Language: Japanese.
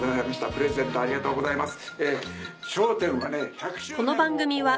プレゼントありがとうございます。